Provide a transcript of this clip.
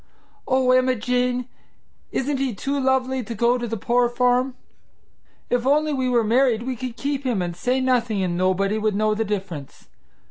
"Oh, Emma Jane! Isn't he too lovely to go to the poor farm? If only we were married we could keep him and say nothing and nobody would know the difference!